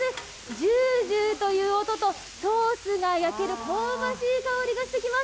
ジュージューという音とソースが焼ける香ばしい香りがしてきます。